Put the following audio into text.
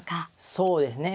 そうですね。